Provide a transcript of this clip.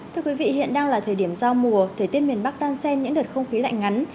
thưa quý vị hiện đang là thời điểm giao mùa thời tiết miền bắc tan sen những đợt không khí lạnh ngắn